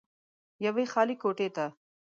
يوې خالې کوټې ته